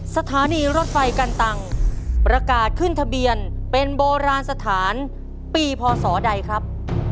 สถานีรถไฟกันตังประกาศขึ้นทะเบียนเป็นโบราณสถานปีพศใดครับ